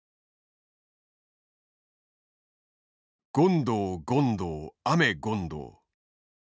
権藤権藤雨権藤。